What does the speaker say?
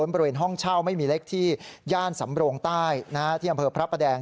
บริเวณห้องเช่าไม่มีเล็กที่ย่านสำโรงใต้ที่อำเภอพระประแดง